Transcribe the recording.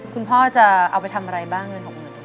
คุณพ่อจะเอาไปทำอะไรบ้างเงิน๖๐๐๐บาท